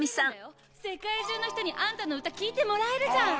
「世界中の人にあんたの歌聴いてもらえるじゃん！」